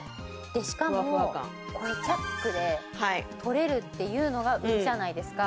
でしかもこれチャックで取れるっていうのが売りじゃないですか。